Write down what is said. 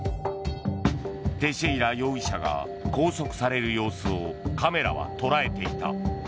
テシェイラ容疑者が拘束される様子をカメラは捉えていた。